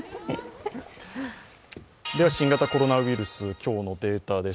新型コロナウイルス、今日のデータです。